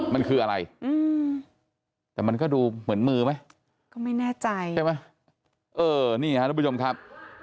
มันคืออะไรแต่มันก็ดูเหมือนมือไหมก็ไม่แน่ใจใช่ไหมเออนี่ฮะทุกผู้ชมครับ